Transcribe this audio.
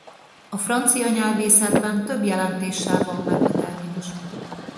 A francia nyelvészetben több jelentéssel van meg a terminus.